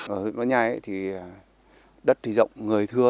ở huyện võ nhai đất thì rộng người thưa